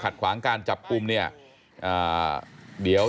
ถ้าเขาถูกจับคุณอย่าลืม